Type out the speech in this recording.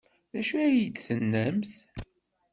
D acu ay d-tennamt?